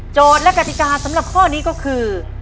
และกติกาสำหรับข้อนี้ก็คือ